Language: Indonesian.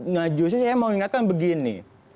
nah justru saya mau ingatkan begini